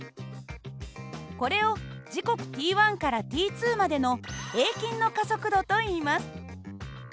これを時刻ｔからｔまでの平均の加速度といいます。